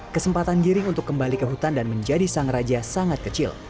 kesempatan giring untuk kembali ke hutan dan menjadi sang raja sangat kecil